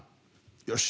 よし！